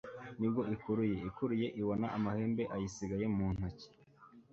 ni bwo ikuruye, ikuruye ibona amahembe ayisigaye mu ntoki